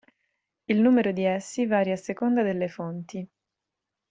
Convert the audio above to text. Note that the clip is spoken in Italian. Il numero di essi varia a seconda delle fonti.